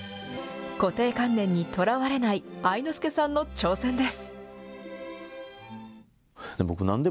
固定観念にとらわれない、愛之助さんの挑戦です。